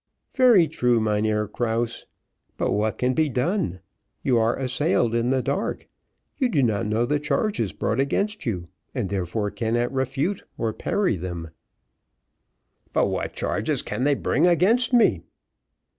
"Very true, Mynheer Krause; but what can be done? you are assailed in the dark, you do not know the charges brought against you, and therefore cannot refute or parry with them." "But what charges can they bring against me?"